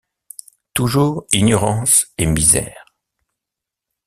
Toujours ignorance et misère!